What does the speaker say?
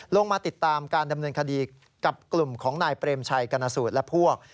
ลงมาติดตามการดำเนินคดีกับกลุ่มของนายเปรมชัยกรณสูตรและพวก